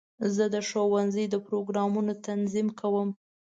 زه د ښوونځي د پروګرامونو تنظیم کوم.